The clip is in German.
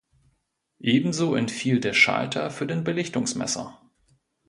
Ebenso entfiel der Schalter für den Belichtungsmesser.